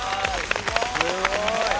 すごい！